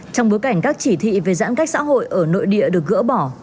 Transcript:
trong bối cảnh các chỉ thị về giãn cách xã hội ở nội địa được gỡ bỏ